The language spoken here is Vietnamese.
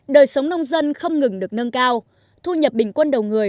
đời sống nông dân không ngừng được nâng cao thu nhập bình quân đầu người